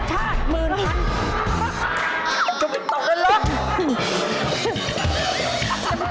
จะไปตกกันหรือ